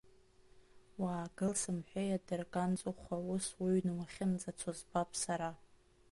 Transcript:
Уаагыл, сымҳәеи, адырганҵыхәа, ус уҩны уахьынӡацо збап сара!